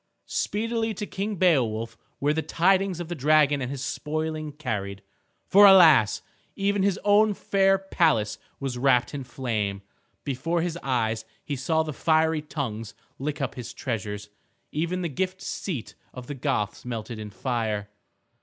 Speedily to King Beowulf were the tidings of the dragon and his spoiling carried. For alas! even his own fair palace was wrapped in flame. Before his eyes he saw the fiery tongues lick up his treasures. Even the Gift seat of the Goths melted in fire.